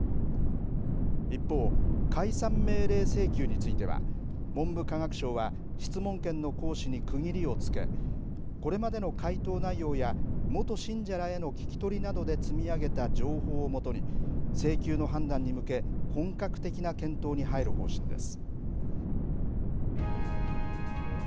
一方、解散命令請求については文部科学省は質問権の行使に区切りをつけこれまでの回答内容や元信者らへの聞き取りなどで積み上げた情報を基に請求の判断に向け本格的な検討に入る方針です。